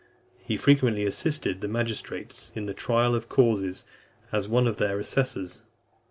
He frequently assisted the magistrates in the trial of causes, as one of their assessors.